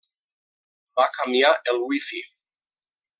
Va canviar el Wi-Fi.